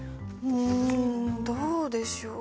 んどうでしょう。